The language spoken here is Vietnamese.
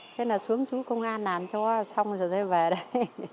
thế là xuống chú công an làm cho xong rồi thuê về đây